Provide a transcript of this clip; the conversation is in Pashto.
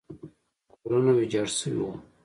کورونه ویجاړ شوي وو.